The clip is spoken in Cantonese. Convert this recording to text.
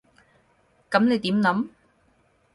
噉你點諗？